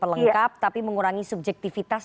lengkap tapi mengurangi subjektivitas